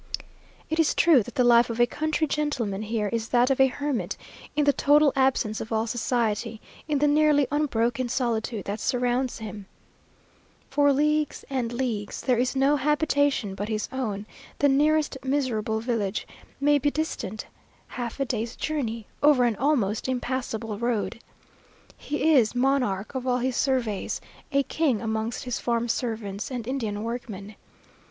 It is true that the life of a country gentleman here is that of a hermit, in the total absence of all society, in the nearly unbroken solitude that surrounds him. For leagues and leagues there is no habitation but his own; the nearest miserable village may be distant half a day's journey, over an almost impassable road. He is "monarch of all he surveys," a king amongst his farm servants and Indian workmen.